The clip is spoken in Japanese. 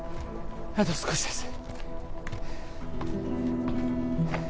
あと少しです